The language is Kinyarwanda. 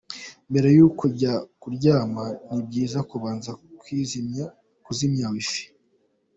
Mbere yo kujya kuryama, ni byiza kubanza kuzimya Wi-Fi.